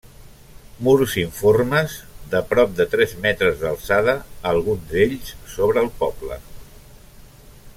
Murs informes, de prop de tres metres d'alçada alguns d'ells sobre el poble.